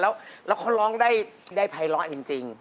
แล้วเขาร้องได้ภัยร้อจริง